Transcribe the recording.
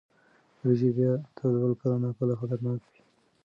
وریجې بیا تودول کله ناکله خطرناک وي.